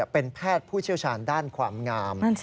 เป็นแพทย์ผู้เชี่ยวชาญด้านความงาม